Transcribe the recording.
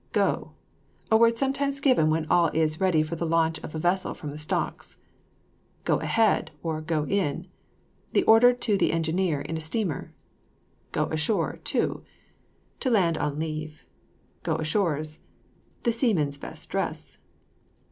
GO! A word sometimes given when all is ready for the launch of a vessel from the stocks. GO AHEAD! OR GO ON! The order to the engineer in a steamer. GO ASHORE, TO. To land on leave. GO ASHORES. The seamen's best dress.